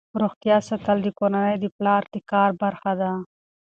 روغتیا ساتل د کورنۍ د پلار د کار برخه ده.